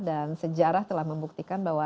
dan sejarah telah membuktikan bahwa